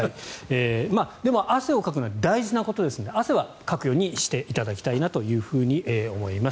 でも、汗をかくのは大事なことですので汗はかくようにしていただきたいなと思います。